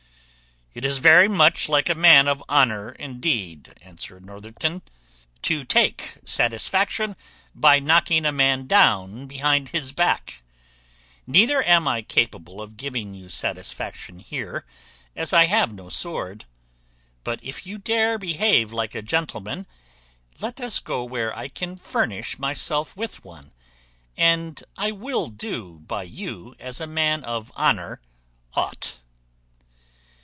"It is very much like a man of honour, indeed," answered Northerton, "to take satisfaction by knocking a man down behind his back. Neither am I capable of giving you satisfaction here, as I have no sword; but if you dare behave like a gentleman, let us go where I can furnish myself with one, and I will do by you as a man of honour ought."